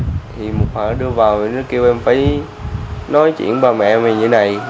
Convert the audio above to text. thì một khoản đưa vào thì nó kêu em phải nói chuyện với ba mẹ mình như này